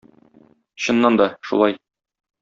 Чыннан да, шулай.